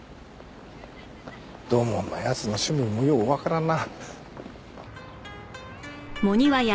土門の奴の趣味もようわからんな。